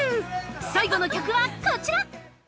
最後の曲はこちら！